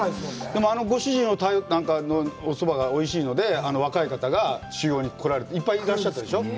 でも、あのご主人のおそばがおいしいので、若い方が修業に来られて、いっぱいいらっしゃったでしょう？